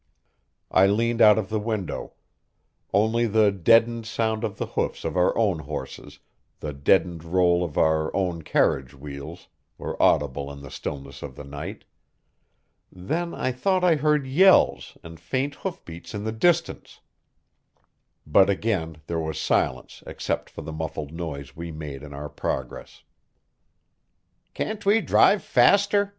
I leaned out of the window. Only the deadened sound of the hoofs of our own horses, the deadened roll of our own carriage wheels, were audible in the stillness of the night. Then I thought I heard yells and faint hoof beats in the distance, but again there was silence except for the muffled noise we made in our progress. "Can't we drive faster?"